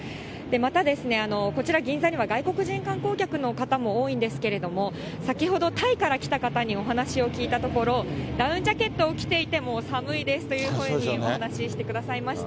またですね、こちら、銀座には外国人観光客の方も多いんですけれども、先ほどタイから来た方にお話を聞いたところ、ダウンジャケットを着ていても寒いですとお話ししてくれていまし